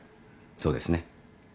そうですね。